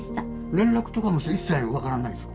連絡とかも一切分からないですか？